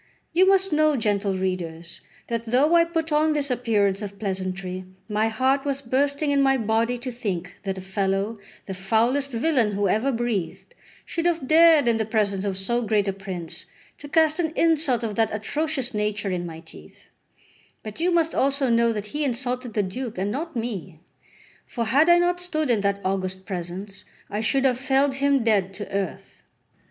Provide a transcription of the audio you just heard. You must know, gentle readers, that though I put on this appearance of pleasantry, my heart was bursting in my body to think that a fellow, the foulest villain who ever breathed, should have dared in the presence of so great a prince to cast an insult of that atrocious nature in my teeth; but you must also know that he insulted the Duke, and not me; for had I not stood in that august presence, I should have felled him dead to earth.